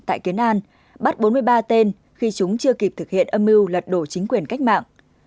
tại kiến an bắt bốn mươi ba tên khi chúng chưa kịp thực hiện âm mưu lật đổ chính quyền cách mạng